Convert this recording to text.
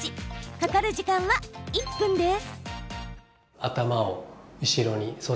かかる時間は１分です。